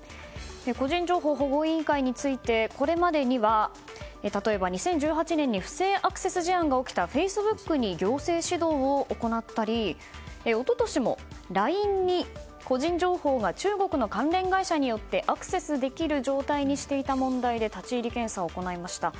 個人情報保護委員会についてこれまでには２０１８年に不正アクセス事案が起きたフェイスブックに行政指導を行ったり一昨年もＬＩＮＥに、個人情報が中国の関連会社によってアクセスできる状態にしていた問題で立ち入り検査を行いました。